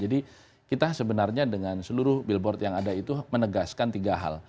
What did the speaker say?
jadi kita sebenarnya dengan seluruh billboard yang ada itu menegaskan tiga hal